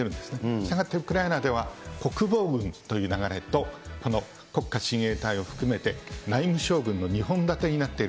したがってウクライナでは国防軍という名が出ると、この国家親衛隊を含めて内務省軍の２本立てになっている。